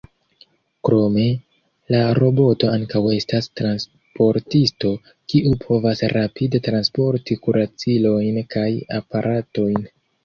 Krome, la roboto ankaŭ estas "transportisto", kiu povas rapide transporti kuracilojn kaj aparatojn.